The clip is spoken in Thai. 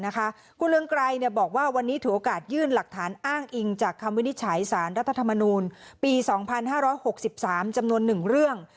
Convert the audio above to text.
คุณเรืองไกรบอกว่าวันนี้ถือโอกาสยื่นหลักฐานอ้างอิงจากคำวินิจฉัยสารรัฐธรรมนูลปี๒๕๖๓จำนวน๑เรื่อง